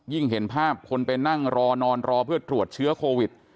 เห็นภาพคนไปนั่งรอนอนรอเพื่อตรวจเชื้อโควิด